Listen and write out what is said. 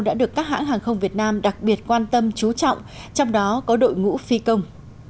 đã được các hãng hàng không việt nam đặc biệt quan tâm trú trọng trong đó có đội ngũ phi công